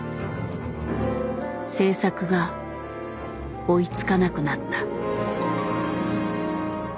制作が追いつかなくなった。